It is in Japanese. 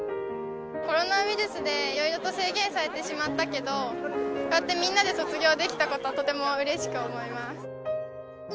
コロナウイルスでいろいろと制限されてしまったけど、こうやってみんなで卒業できたこと、とてもうれしく思います。